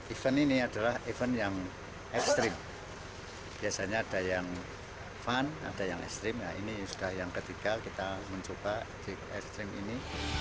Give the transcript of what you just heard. event ini adalah event yang ekstrim biasanya ada yang fun ada yang ekstrim ini sudah yang ketiga kita mencoba di ekstrim ini